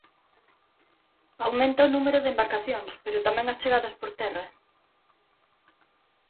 Aumenta o número de embarcacións, pero tamén as chegadas por terra.